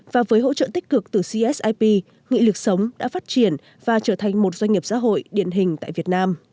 và với hỗ trợ tích cực từ csip nghị lực sống đã phát triển và trở thành một doanh nghiệp xã hội điển hình tại việt nam